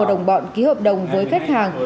đã có hợp đồng với khách hàng